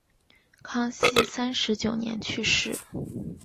康熙三十九年去世。